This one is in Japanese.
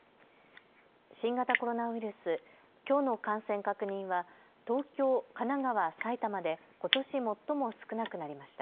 新型コロナウイルス、きょうの感染確認は東京、神奈川、埼玉でことし最も少なくなりました。